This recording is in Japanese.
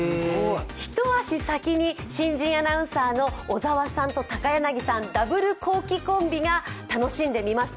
一足先に新人アナウンサーの小沢さんと高柳さん、ダブルコウキコンビが楽しんでみました。